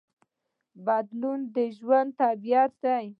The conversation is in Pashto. بدلون د ژوند طبیعت دی.